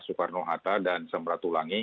soekarno hatta dan samratulangi